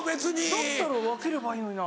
だったら分ければいいのにな。